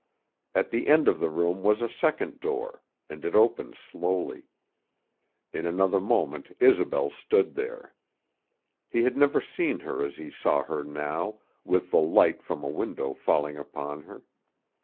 At the end of the room was a second door, and it opened slowly. In another moment Isobel stood there. He had never seen her as he saw her now, with the light from a window falling upon her.